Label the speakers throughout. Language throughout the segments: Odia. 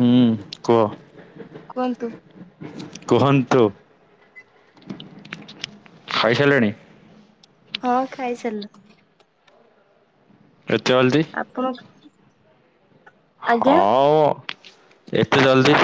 Speaker 1: ହୁଁ କୁହ।
Speaker 2: କୁହନ୍ତୁ?
Speaker 1: କୁହନ୍ତୁ ଖାଇ ସାରିଲେଣି?
Speaker 2: ହଁ ଖାଇସାରିଲୁଣି।
Speaker 1: ଏତେ ଜଲଦି।
Speaker 2: ଆଜ୍ଞା।
Speaker 1: ହଁ ଏତେ ଜଲଦି।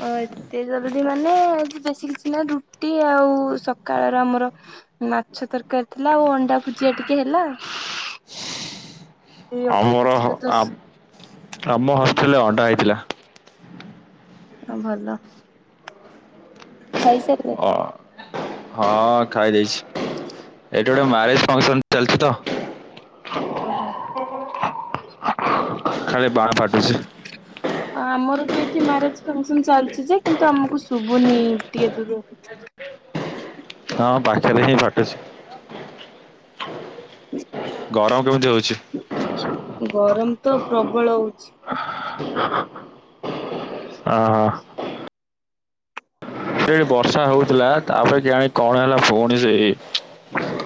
Speaker 2: ହ [unintelligible] ମାନେ ଆ ବେଶୀ କିଛି ନା ରୁଟି ଆଉ ସକାଳର ଆମର ମାଛ ତରକାରୀ ଥିଲା ଆଉ ଅଣ୍ଡା ଭୁଜିଆ ଟିକେ ହେଲା। ଏ
Speaker 1: ଆମର
Speaker 2: ଅଫିସରେ ତ
Speaker 1: ଆ ଆମ ହଷ୍ଟେଲରେ ଅଣ୍ଡା ହେଇଥିଲା।
Speaker 2: ହ ଭଲ। ଖଇସାରିଲଣି?
Speaker 1: ଅ, ହଁ ଖାଇ ଦେଇେଇଛି ଏଠି ଗୋଟେ ମ୍ୟାରେଜ ଫଙ୍କସନ ଚାଲିଛି ତ।
Speaker 2: ଓହୋ।
Speaker 1: ଖାଲି ବାଣ ଫାଟୁଛି।
Speaker 2: ଆମର ବି ଏଇଠି ମ୍ୟାରେଜ ଫଙ୍କସନ ଚାଲିଛି ଯେ କିନ୍ତୁ ଆମକୁ ଶୁଭୁନି ଟିକେ ଦୂରରେ।
Speaker 1: ହଁ। ତେବେ ଯାଇ ଫାଟୁଛି। ଗରମ କେମିତି ହଉଛି?
Speaker 2: ଗରମ ତ ପ୍ରବଳ ହଉଛି।
Speaker 1: ଓ ହୋ। ସେଠି ବର୍ଷା ହଉଥିଲା ତାପରେ କିଆଣି କଣ ହେଲା ପୁଣି ସେଇ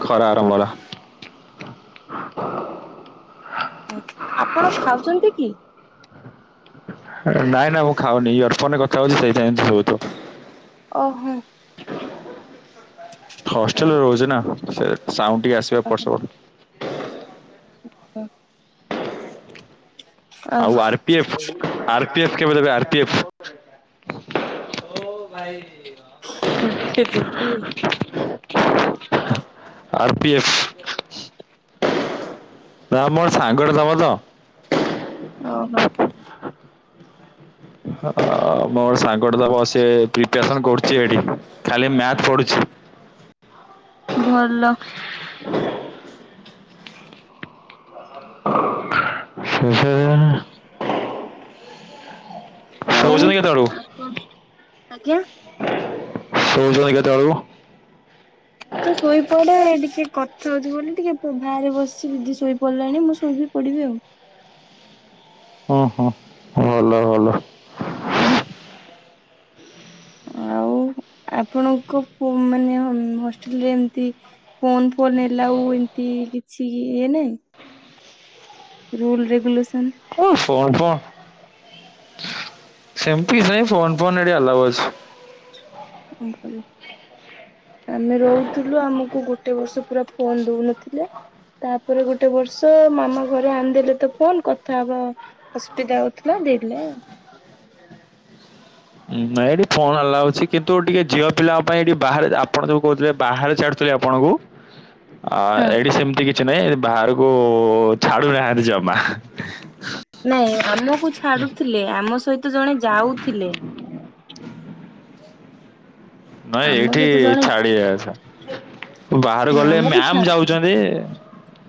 Speaker 1: ଖରା ଆରମ୍ଭ ହେଲା।
Speaker 2: ଆପଣ ଖାଉଛନ୍ତି କି?
Speaker 1: ନାଇଁ ନାଁ ମୁଁ ଖାଉନି ଇୟର ଫୋନରେ କଥା ହଉଛି ସେଇଥି ପାଁଇ ଏମିତି ସୁବୁ ଛି।
Speaker 2: ଓହୋ। ଓ
Speaker 1: ହଷ୍ଟେଲରେ ରହୁଛି ନା ସେ ସାଉଁଟ ଟିକେ ଆସିବା ଏପଟ ସେପଟ।
Speaker 2: [inaudible]
Speaker 1: ଆଉ R P F R P F କେବେ ଦେବେ ଆର ପି ଏଫ। ଭାଇ।
Speaker 2: ଏବେ ଦେଖିବି।
Speaker 1: R P F. ନା ମୋର ସାଙ୍ଗଟେ ଦବ ତ
Speaker 2: ଓହୋ।
Speaker 1: ହ ମୋ ସାଙ୍ଗଟେ ତ ସେ ପ୍ରିପସନ କରୁଛି ଏଠି। ଖାଲି ମ୍ୟାଥ୍ ପଢ଼ୁଛି।
Speaker 2: ଭଲ।
Speaker 1: ଶେଷରେନ୍
Speaker 2: ଆଉ
Speaker 1: ଶୋଉଛନ୍ତି କେତେବେଳକୁ
Speaker 2: ଆ କ ଆଜ୍ଞା!
Speaker 1: ଶୋଇଚନ୍ତି କେତଳୁ?
Speaker 2: ମୁଁ ତ ଶୋଇପଡେ। ଟିକେ କଥା ହଉଛି, ବୋଲି ଟିକେ ବାହାରେ ବସି ଦିଦି ଶୋଇ ପଡିଲାଣି। ମୁଁ ଶୁଣ ପଡିବି ଆଉ।
Speaker 1: ହ ହଁ ହଁ। ଭଲ
Speaker 2: ଆଉ, ଆପଣଙ୍କ, ମାନେ ହଷ୍ଟେଲରେ ଏମତି ଫୋନ୍ ଫୋନ୍ ଏଲାଉ ଏମିତି ଇ କିଛି ଇଏ ନାଇଁ। Rule regulation.
Speaker 1: ଓ ଫୋନ୍ ଫୋନ୍ ସେମ୍ ତି ନାଇଁ। ଫୋନ୍ ଫୋନ୍ ଏଠି ଆଲାଉ ଅଛି।
Speaker 2: ଆମ୍ ପଳିଆ। ଆମେ ରହୁଥିଲୁ, ଆମକୁ ଗୋଟେ ବର୍ଷ ପୁରା ଫୋନ୍ ଦଉନଥିଲେ। ତାପରେ ଗୋଟେ ବର୍ଷ ମାମା ଘରେ ଆଣିଦେଲେ ତ ଫୋନ୍ କଥା ହବା ଅସୁବିଧା ହଉଥିଲା। ଦେଇଥିଲେ ଆଉଁ।
Speaker 1: ନାଇଁ ଏଇଠି ଫୋନ୍ ଆଲାଉ ଅଛି। କିନ୍ତୁ ଟିକେ ଝିଅ ପିଲାଙ୍କ ପାଇଁ ଏଠି ବାହାରେ ଆପଣ ଯୋଉ କହୁଥିଲେ, ବାହାରେ ଛାୁଡୁଥିଲେ ଆପଣ କୁ, ଅ
Speaker 2: ହଁ
Speaker 1: ଏଇଠି ସେମିତି କିଛି ନାହିଁ। ବାହାରକୁ ଛାଡୁନାହାଁନ୍ତି ଜମା।
Speaker 2: ଆମକୁ ଛାଡୁଥିଲେ। ଆମ ସହିତ ଜଣେ ଯାଉଥିଲେ।
Speaker 1: ନାଇଁ
Speaker 2: ଆମ
Speaker 1: ଏଠି
Speaker 2: ସହିତ ଜଣେ
Speaker 1: ଛାଡ଼ି ଆ ଛ ବାହାରୁ ଗଲେ
Speaker 2: ଆମକୁ
Speaker 1: ମ୍ୟାମ
Speaker 2: ଛାଡୁଥିଲେ
Speaker 1: ଯାଉଛନ୍ତି-ଇ।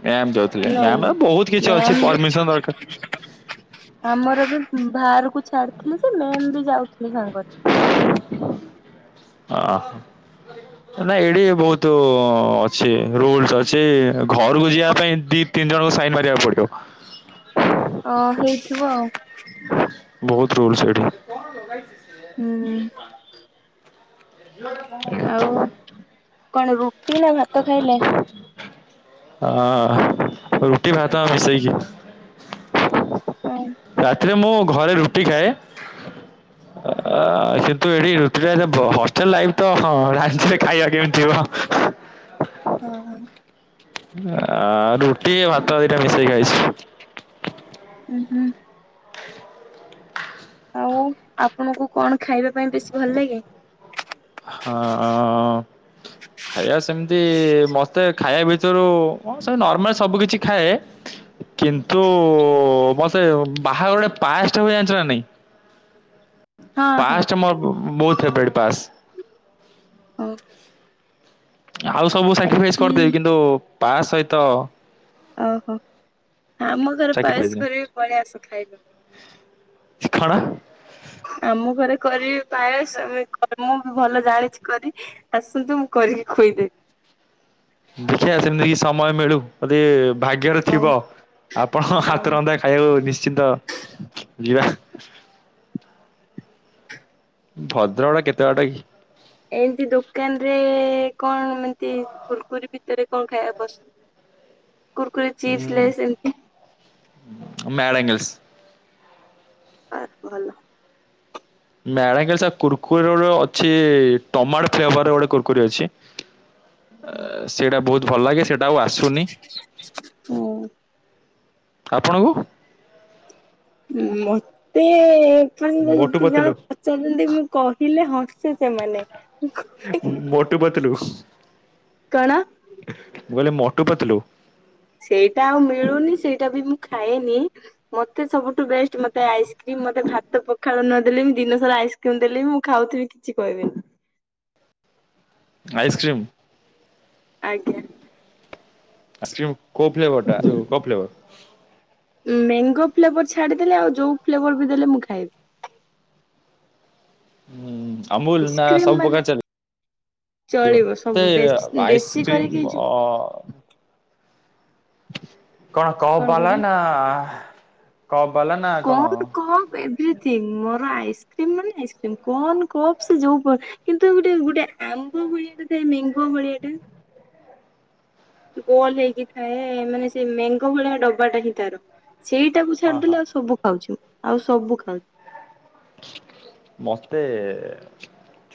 Speaker 1: ମ୍ୟାମ ଯାଉଥିଲେ।
Speaker 2: ନାଇଁ
Speaker 1: ମ୍ୟାମ୍ ଏଇ ବହୁତ କିଛି ଅଛି,
Speaker 2: ମ୍ୟାମ
Speaker 1: ପରମିସନ୍ ଦରକାର।
Speaker 2: ଆମର ବି ବାହାରକୁ ଛାଡିଥିଲେ ଯେ ମେମ୍ ବି ଯାଉଥିଲେ ସାଙ୍ଗରେ।
Speaker 1: ଅ ନା ଏଇଡ଼ି ବହୁତ ଅଛି ରୁଲସ ଅଛି। ଘରକୁ ଯିବା ପାଇଁ ଦିପ୍ ତିନି ଜଣଙ୍କୁ ସାଇନ୍ ମାରିବାକୁ ପଡ଼ିବ।
Speaker 2: ଅ ହେଇଥିବ ଆଉ।
Speaker 1: ବହୁତ ରୁଲ୍ ସେଇଠି।
Speaker 2: ହୁଁ ଆଉ
Speaker 1: [inaudible]
Speaker 2: କଣ ରୁଟି ନା ଭାତ ଖାଇଲେ?
Speaker 1: ହଁ, ରୁଟି ଭାତ ମିଶେଇକି।
Speaker 2: ଓହୋ
Speaker 1: ରାତିରେ ମୁଁ ଘରେ ରୁଟି ଖାଏ। ଅ-ଅ କିନ୍ତୁ, ଏଠି ରୁଟିରେ ହଷ୍ଟେଲ ଲାଇଫ୍ ତ ହଁ [unintelligible] ଖାଇବା [unintelligible]
Speaker 2: ହଁ ହ।
Speaker 1: ଆ ରୁଟି, ଭାତ ଦିଟା ମିଶେଇ ଖାଇବି।
Speaker 2: ଉ ହୁଁ।
Speaker 1: [inaudible]
Speaker 2: ଆଉ ଆପଣଙ୍କୁ କଣ ଖାଇବେ?
Speaker 1: ହଁ-ଅଁ -ଅଁ -ଅଁ -ଅଁ -ଅଁ ଖାଇବା ସେମିତି ମତେ ଖାଇବା ଭିତରୁ, ନର୍ମାଲ ସବୁ କିଛି ଖାଏ। କିନ୍ତୁ, ଉ-ଉ-ଉ ମତେ ବାହାଘରଟେ ପାଏସ ଟା ହୁଏ ଜାଣିଛ ନା ନାଇଁ?
Speaker 2: ହଁ
Speaker 1: ପାଏ
Speaker 2: ହଁ
Speaker 1: ଷ୍ଟା ମୋର ବହୁତ ଫେବରାଇଟ୍ ପାସ୍।
Speaker 2: ଓ
Speaker 1: ଆଉ ସବୁ ସାକ୍ରିଫାଇସ୍
Speaker 2: ଆଜି
Speaker 1: କରିଦେବି, କିନ୍ତୁ ପାଏସ୍ ସହିତ
Speaker 2: ଓହୋ! ଆମ ଘରେ ପାଏସ୍
Speaker 1: ସାକ୍ରିଫାଇସ୍
Speaker 2: କରିବି। ପଳେଇ ଆସ ଖାଇବ।
Speaker 1: ଶ ଖଣ।
Speaker 2: ଆମ ଘରେ। କରିବି ପାୟସ୍ ଆମେ କର ମୁଁ ବି ଭଲ ଜାଣିଛି କରି ଆସନ୍ତୁ ମୁଁ କରିକି ଖୋଇଦେ।
Speaker 1: ଦେଖିବା ସେମିତି କିଛି ସମୟ ମିଳୁ ଯଦି। ଭାଗ୍ୟରେ
Speaker 2: ହଉ
Speaker 1: ଥିବ ଆପଣ
Speaker 2: ହଉ।
Speaker 1: ହାତ ରନ୍ଧା ଖାଇବାକୁ ନିଶ୍ଚିନ୍ତ ଯିବା।
Speaker 2: ହ
Speaker 1: ଭଦ୍ରକ ଟା କେତେ ବାଟ କି।
Speaker 2: ଏମିତି ଦୋକାନ ରେ କଣ ଏମିତି କୁରକୁରି ଭିତରେ କଣ ଖାଇବା ପସନ୍ଦ।
Speaker 1: ହ
Speaker 2: କୁରକୁରୀ ଚିପ୍ସ ଲେସ ଏମତି।
Speaker 1: Mad Angles.
Speaker 2: ଆ ଭଲ।
Speaker 1: ମ୍ୟାଡ ଆଙ୍ଗେଲସ ଆଉ କୁରକୁରିର ଗୋଟେ ଅଛି ଟମାଟୋ ଫ୍ଲେଭର ରେ ଗୋଟେ କୁୁରକୁରି ଅଛି। ଅ ସେଇଟା ବହୁତ ଭଲ ଲାଗେ ସେଇଟା ଆଉ ଆସୁନି।
Speaker 2: ହୁଁ
Speaker 1: ଆପଣଙ୍କୁ।
Speaker 2: ମତେ। ମାନେ ଯଉ ଦି
Speaker 1: ମୋଟୁ
Speaker 2: ତିନି ଜଣ
Speaker 1: ପତଲୁ
Speaker 2: ପଚାରୁଛନ୍ତି ମୁଁ କହିଲେ ହସେ ସେମାନେ। [unintelligible]
Speaker 1: ମୋଟୁ ପତଲୁ।
Speaker 2: କଣ?
Speaker 1: ମୁଁ କହିଲି ମୋଟୁ ପତଲୁ।
Speaker 2: ସେଇଟା ଆଉ ମିଳୁନି ସେଇଟା ବି ମୁଁ ଖାଏନି ମତେ ସବୁଠୁ ବେଷ୍ଟ ମତେ ଆଇସ୍କ୍ରି ମତେ ଭାତ ପଖାଳ ନ ଦେଲେ ଦିନସାରା ଆଇସ୍କ୍ରିମ ଦେଲେ ମୁଁ ଖାଉଥିବି କିଛି କହିବିନି।
Speaker 1: ଆଇସ୍କ୍ରିମ।
Speaker 2: ଆଜ୍ଞା।
Speaker 1: ଆଇସ୍କ୍ରିମ କୋଉ ଫ୍ଲେଭର ଟା ଯଉ କୋଉ ଫ୍ଲେଭର।
Speaker 2: ମେଙ୍ଗୋ ଫ୍ଲେଭର ଛାଡିଦେଲେ ଆଉ ଯୋଉ ଫ୍ଲେଭର ବି ଦେଲେ ମୁଁ ଖାଇବି।
Speaker 1: ହୁଁ ଅମୁଲ ନା
Speaker 2: ଆଇସ୍କ୍ରିମ
Speaker 1: ସବୁ
Speaker 2: ମାନେ
Speaker 1: ପ୍ରକାର ଚାଲେ। ଥିବ
Speaker 2: ଚଳିବ
Speaker 1: ମତେ
Speaker 2: ସବୁ ବେଶ ବେଶୀ କରିକି
Speaker 1: ଆଇସ୍କ୍ରିମ୍
Speaker 2: ଯୋଉ
Speaker 1: ଅ। କଣ କପ ବାଲା ନା। କପ୍ ବାଲା ନା କଣ?
Speaker 2: କୋନ କପ ଏଭ୍ରିଥିଙ୍ଗ ମୋର ଆଇଷ କ୍ରିମ ମାନେ ଆଇସ୍କ୍ରିମ କୋନ କପ ସେ ଯୋଉ ପ କିନ୍ତୁ ଗୋଟେ ଗୋଟେ ଆମ୍ବ ଭଳିଆ ସେ ମେଙ୍ଗୋ ଭଳିଆ ଟା। ଗୋଲ ହେଇକି ଥାଏ ମାନେ ସେ ମେଙ୍ଗୋ ଭଳିଆ ଡବାଟା ହିଁ ତାର। ସେଇଟାକୁ
Speaker 1: ଅ ହଁ
Speaker 2: ଛାଡିଦେଲେ ଆଉ ସବୁ ଖାଉଛୁ ଆଉ ସବୁ ଖାଉ।
Speaker 1: ମତେ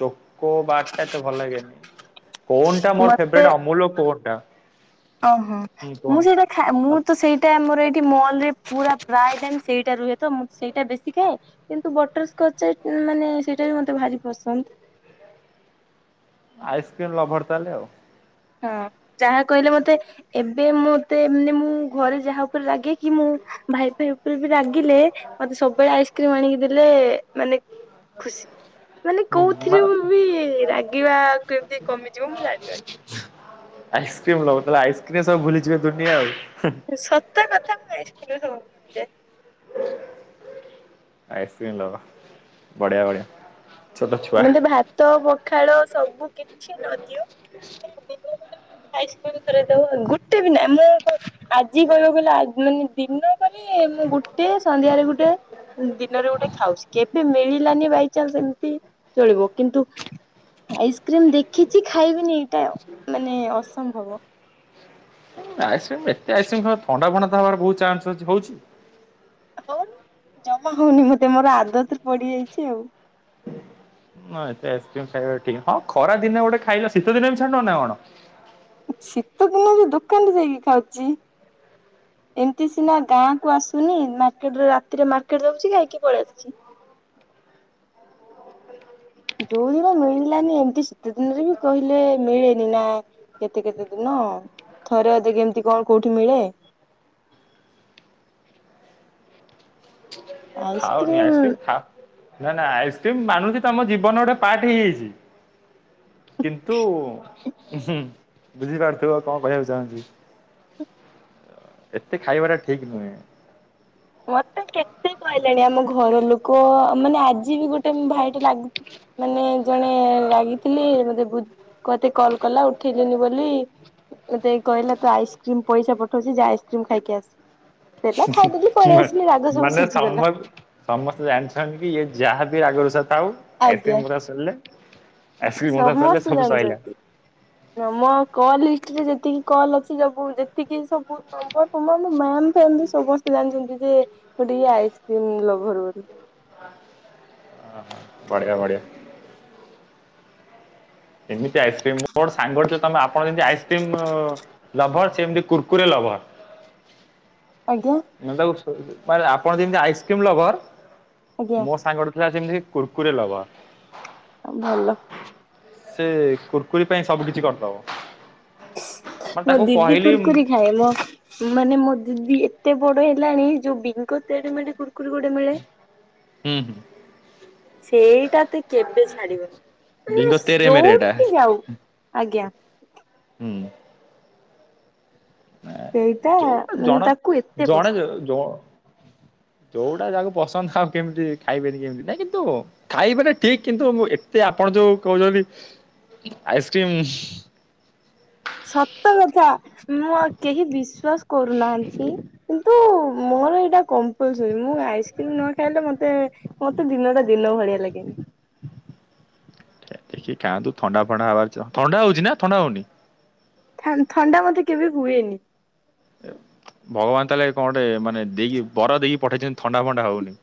Speaker 1: ଚକ କୋବାର ଟା ତ ଭଲ ଲାଗେନି କୋନ ଟା ମୋର
Speaker 2: ମତେ
Speaker 1: ଫେବରେଟ୍ ଅମୁଲର କୋନଟା।
Speaker 2: ଓହୋ ମୁଁ ସେଇଟା ଖାଏ ମୁଁ ତ ସେଇଟା ମୋର ଏଇ ମଲରେ ପୁରା ପ୍ରାୟ ଟାଇମ୍ ସେଇଟା ରୁହେ ତ ମୁଁ ସେଇଟା ବେଶୀ ଖାଏ କିନ୍ତୁ ବଟର ସ୍କଚ ମାନେ ସେଇଟା ବି ମତେ ଭାରି ପସନ୍ଦ।
Speaker 1: ଆଇସ୍କ୍ରିମ ଲଭର ତାହେଲେ ଆଉ।
Speaker 2: ହଁ ଯାହା କହିଲେ ମତେ ଏବେ ମତେ ମାନେ ମୁଁ ଘରେ ଯାହା ଉପରେ ରାଗେ କି ମୁଁ। ଭାଇ ଫାଇ ଉପରେ ବି ରାଗିଲେ ମତେ ସବୁବେଳେ ଆଇସ୍କ୍ରିମ ଆଣିକି ଦେଲେ ମାନେ। ଖୁସି। ମାନେ
Speaker 1: ହୁଁ ମା
Speaker 2: କୋଉଥିରେ ମୁଁ ବି ରାଗିବା କେମିତି କମିଯିବ ମୁଁ ଜାଣିପାରୁନି।
Speaker 1: ଆଇସ୍କ୍ରିମ ଲଭର ତାହଲେ ଆଇସ୍କ୍ରିମ ସବୁ ଭୁଲିଯିବେ ଦୁନିଆ ଆଉ।
Speaker 2: ସତ କଥା ମୁଁ ଆଇସ୍କ୍ରିମ୍ ରେ ସବୁ ଭୁଲିଯାଏ।
Speaker 1: ଆଇସ୍କ୍ରିମ୍ ଲଭର ବଢ଼ିଆ ବଢ଼ିଆ।
Speaker 2: ମତେ ଭାତ ପଖାଳ ସବୁ କିଛି ନ ଦିଅ ଖାଲି ଦିନକୁ ଗୋଟେ ଆଇସ୍କ୍ରିମ୍ ଥରେ ଦବ ଗୁଟେ ବି ନାଁ ମୁଁ ଆଜି କହିବାକୁ ଗଲେ ଆ ମାନେ ଦିନ କରେ। ମୁଁ ଗୋଟେ ସନ୍ଧ୍ୟାରେ ଗୋଟେ ଦିନରେ ଗୋଟେ ଖାଉଚି କେବେ ମିଳିଲାନି ବାଇଚନ୍ସ ଏମିତି ଚଳିବ କିନ୍ତୁ ଆଇସ୍କ୍ରିମ ଦେଖିଛି ଖାଇବିନି ଏଇଟା ମାନେ ଅସମ୍ଭବ
Speaker 1: ଆଇସ୍କ୍ରିମ ଏତେ ଆଇସ୍କ୍ରିମ ଖ ଥଣ୍ଡା ଭଣ୍ଡା ହବାର ବହୁତ ଚାନ୍ସ ଅଛି ହୋଉଛି?
Speaker 2: ହୋଉନି ଜମା ହଉନି ମତେ ମୋର ଆଦତରେ ପଡିଯାଇଚି ଆଉ।
Speaker 1: ନା ଏତେ ଆଇସକ୍ରିମ ଖାଇବା ଠିକ୍ ହଁ ଖରା ଦିନେ ଗୋଟେ ଖାଇଲ ଶୀତ ଦିନେ ବି ଛାଡୁନ ନା କଣ?
Speaker 2: ଶୀତ ଦିନ ବି ଦୋକାନରେ ଯାଇକି ଖାଉଚି।
Speaker 1: [unintelligible]
Speaker 2: ଏମିତି ସିନା ଗାଁ କୁ ଆସୁନି ମାର୍କେଟରେ ରାତିରେ ମାର୍କେଟ ଯାଉଚିଖାଇକି ପଳେଇ ଆସୁଚି। ଯୋଉ ଦିନ ମିଳିଲାନି ଏମତି ଶୀତ ଦିନରେ ବି କହିଲେ ମିଳେନି ନା କେତେ କେତେ ଦିନ?
Speaker 1: [unintelligible]
Speaker 2: ଥରେ ଅଧେ କେ କେମିତି କଣ କୋଉଠି ମିଳେ
Speaker 1: [unintelligible] ଆଉନି
Speaker 2: ଆଇସ୍କ୍ରିମ
Speaker 1: ଆଇସ୍କ୍ରି ଖ ନ ନା ଆଇସ୍କ୍ରିମ ମଧୁଛି ତମ ଜୀବନ ଗୋଟେ ପାର୍ଟ ହେଇଯାଇଛି? କିନ୍ତୁ ବୁଝିପାରୁଥିବ କଣ କହିବାକୁ ଚାହୁଁଚି? ଏତେ ଖାଇବା ଟା ଠିକ ନୁହେଁ?
Speaker 2: ମତେ କେତେ କହିଲେଣି ଆମ ଘର ଲୋକ ମାନେ ଆଜି ବି ଗୋ ଟେ ଭାଇଟେ ଲାଗି ମାନେ ଜଣେ ରାଗିଥିଲେ। ମତେ ବୁ ମତେ କଲ୍ କଲା ଉଠେଇଲିନି ବୋଲି ମୋତେ କହିଲା ତ ଆଇସ୍କ୍ରିମ ପଇସା ପଠଉଚି ଯା ଆଇସ୍କ୍ରିମ ଖାଇକି ଆସେ ସେଟା ଖାଇଦେଲି। ପଳେଇ
Speaker 1: ବାସ୍
Speaker 2: ଆସିଲି ରାଗ ସବୁ
Speaker 1: ମାନେ
Speaker 2: ଶୁଝିଗଲା।
Speaker 1: ସମ ସମସ୍ତେ ଜାଣିଛନ୍ତି କି ଇଏ ଯାହାବି ଆଗରୁ ଥାଉ
Speaker 2: ଆଜ୍ଞା।
Speaker 1: ଆଇସ୍କ୍ରିମ କଥା ଶୁଣିଲେ
Speaker 2: ସମସ୍ତେ
Speaker 1: ସଇଲା
Speaker 2: ଜାଣିଚନ୍ତି ଆମ କଲବି ରେ ଯେତିକି କଲ୍ ଅଛି ସବୁ ଯେତିକି ସବୁ ନମ୍ବର ଫର ମୋ ମ୍ୟାମ ଫ୍ୟାମ ବି ସମସ୍ତେ ଜାଣିଛନ୍ତି ଯେ ମୁଁ ଟିକେ ଆଇସ୍କ୍ରିମ ଲଭର ବୋଲି।
Speaker 1: ଅହ ବଢିଆ ବଢ଼ିଆ। ଏମିତି ଆଇସ୍କ୍ରିମ ମୋର ସାଙ୍ଗଠୁ ତମେ ଆପଣ ଯେମିତି ଆଇସ୍କ୍ରିମ୍ ଲଭର ସେମତି କୁର୍କୁରେ ଲଭର।
Speaker 2: ଆଜ୍ଞା
Speaker 1: ମାନେ ଆପଣ ଯେମିତି ଆଇସ୍କ୍ରିମ ଲଭର
Speaker 2: ଆଜ୍ଞା।
Speaker 1: ମୋ ସାଙ୍ଗ ଥିଲା ସେମିତି କୁର୍କୁରେ ଲଭର।
Speaker 2: ଭଲ।
Speaker 1: ସେ କୁୁରକୁୁରୀ ପାଇଁ ସବୁ କିିଛି କରିଦବ। ମାନେ
Speaker 2: ମୋ
Speaker 1: ତାକୁ
Speaker 2: ଦିଦି
Speaker 1: କହିଲି ହୁଁ
Speaker 2: କୁୁରକୁରି ଖାଏ। ମୋ ମାନେ ମୋ ଦିଦି ଏତେ ବଡ ହେଲାଣି ଯୋଉ ବିଙ୍କଙ୍ଗତେଡେ ମିେଳେ କୁକୁରୀ ଗୋଡେ ମିଳେ?
Speaker 1: ହୁଁ ହୁଁ।
Speaker 2: ସେଇଟା ତ କେବେ ଛାଡିବନି ମାନେ
Speaker 1: ବିଙ୍ଗ ତେରେ ମେରେ ଏଟା
Speaker 2: ଯଉଠିକି ଯାଉ ଆଜ୍ଞା।
Speaker 1: ହୁଁ।
Speaker 2: ସେଇଟା
Speaker 1: ଯୋଉଟା
Speaker 2: ମାନେ
Speaker 1: ଜଣ
Speaker 2: ତାକୁ ଏତେ
Speaker 1: ଜଣେ
Speaker 2: ପସନ୍ଦ।
Speaker 1: ଯ ଜ ଯୋଉଟା ଯାହା ପସନ୍ଦ ଆଉ କେମିତି ଖାଇବେନି କେମିତି ନାଇଁ କିନ୍ତୁ ଖାଇବେ ନା ଠିକ କିନ୍ତୁ ମୁଁ ଏତେ ଆପଣ ଯୋଉ କୋହୁଚନ୍ତି ଆଇସ୍କ୍ରିମ୍
Speaker 2: ସତ କଥା ମୁଁ ଆଉ କେହି ବିଶ୍ଵାସ କରୁନାହାନ୍ତି କି
Speaker 1: [unintelligible]
Speaker 2: ମୋର ହେଇଟା କମ୍ପଲସରି ମୁଁ ଆଇସ୍କ୍ରିମ ନ ଖାଇଲେ ମତେ ମତେ ଦିନଟା ଦିନ ଭଳିଆ ଲାଗେନି।
Speaker 1: ଦେଖି ଖାଆନ୍ତୁ ଥଣ୍ଡା ଫଥଣ୍ଡା ହବାର ଥଣ୍ଡା ହଉଛି ନା ଥଣ୍ଡା ହୋଉନି?
Speaker 2: ଥା ଥଣ୍ଡା ମତେ କେବେ ହୁଏନି।
Speaker 1: ହେ ଭଗବାନ ତାହେଲେ କଣଟେ ମାନେ ଦେଇକି ବର ଦେଇକି ପଠେଇଚନ୍ତି ଥଣ୍ଡା ଫଣ୍ଡା ହୋଉନି।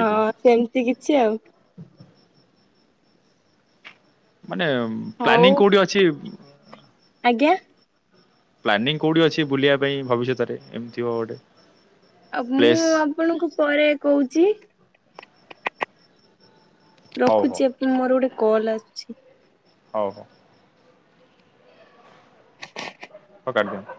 Speaker 2: ହଁ ସେମିତି କିଛି ଆଉ।
Speaker 1: ମାନେ
Speaker 2: ହଉ
Speaker 1: ପ୍ଲାନିଂ କୋଉଠି ଅଛି?
Speaker 2: ଆଜ୍ଞା।
Speaker 1: ପ୍ଲାନିଂ କୋଉଠି ଅଛି ବୁଲିବା ପାଇଁ ଭବିଷ୍ୟତରେ ଏମିତି ହବ ଗୋଟେ
Speaker 2: ଆଉ ମୁଁ
Speaker 1: ପ୍ଲେସ୍
Speaker 2: ଆପଣଙ୍କୁ ପରେ କହୁଛି।
Speaker 1: ହଉ ହଉ
Speaker 2: ରଖୁଛି ମୋର ଗୋଟେ କଲ୍ ଆସୁଛି।
Speaker 1: ହଉ ହଉ। ହଉ କାଟି ଦିଅ।